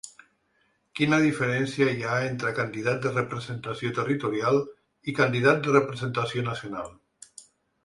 Quina diferència hi ha entre candidat de representació territorial i candidat de representació nacional?